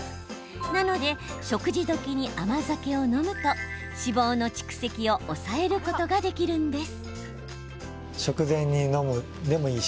なので食事どきに甘酒を飲むと脂肪の蓄積を抑えることができるんです。